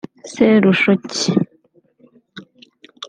Serushoki